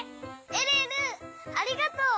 えるえるありがとう！